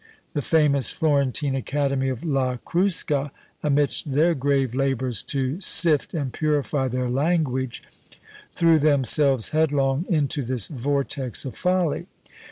The famous Florentine academy of La Crusca, amidst their grave labours to sift and purify their language, threw themselves headlong into this vortex of folly.